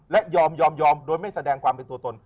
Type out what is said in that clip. และยอมยอมโดยไม่แสดงความเป็นตัวตน